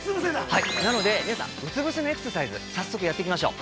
なので、皆さんうつ伏せのエクササイズ、早速やっていきましょう。